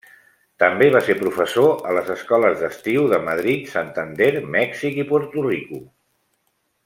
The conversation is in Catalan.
També va ser professor a les escoles d'estiu de Madrid, Santander, Mèxic i Puerto Rico.